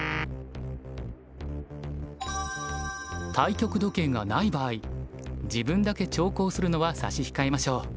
対局時計が無い場合自分だけ長考するのは差し控えましょう。